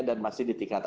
dan masih ditempatkan